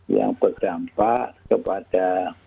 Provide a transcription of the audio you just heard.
yang berdampak kepada